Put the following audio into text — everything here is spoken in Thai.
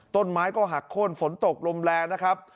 ต้นไม้ก็หักโค้นฝนตกลมแรงนะครับ